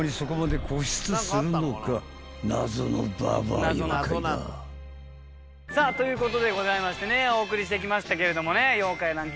［謎のババア妖怪だ］ということでございましてねお送りしてきましたけれども『妖怪ランキング大百科』